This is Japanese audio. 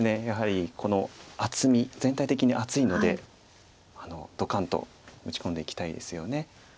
やはりこの厚み全体的に厚いのでドカンと打ち込んでいきたいですよね。